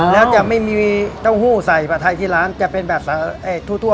แล้วจะไม่มีเต้าหู้ใส่ผัดไทยที่ร้านจะเป็นแบบทั่ว